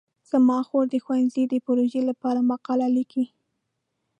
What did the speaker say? زما خور د ښوونځي د پروژې لپاره مقاله لیکي.